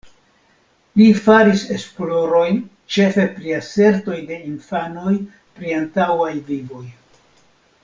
Li faris esplorojn ĉefe pri asertoj de infanoj pri antaŭaj vivoj.